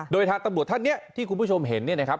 โดยทางตำรวจท่านเนี่ยที่คุณผู้ชมเห็นเนี่ยนะครับ